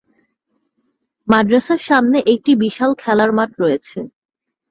মাদ্রাসার সামনে একটি বিশাল খেলার মাঠ রয়েছে।